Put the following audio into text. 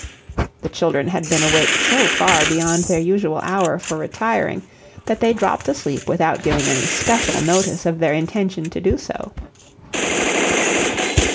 The children had been awake so far beyond their usual hour for retiring that they dropped asleep without giving any special notice of their intention to do so.